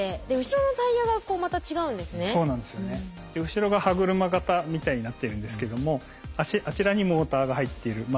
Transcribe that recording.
後ろが歯車形みたいになってるんですけどもあちらにモーターが入っている。